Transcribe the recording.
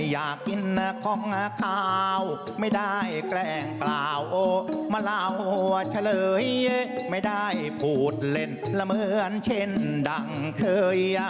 อยากกินของขาวไม่ได้แกล้งกล่าวมาเลาชะเลยไม่ได้พูดเล่นหลมือนเช่นดั่งเคย